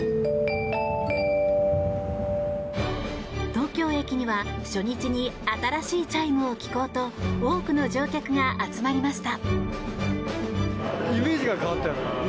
東京駅には初日に新しいチャイムを聞こうと多くの乗客が集まりました。